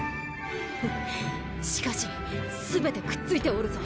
フッしかし全てくっついておるぞ。